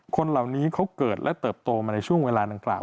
คนเหล่านี้เขาเกิดและเติบโตมาในช่วงเวลาดังกล่าว